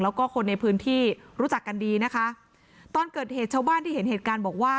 แล้วก็คนในพื้นที่รู้จักกันดีนะคะตอนเกิดเหตุชาวบ้านที่เห็นเหตุการณ์บอกว่า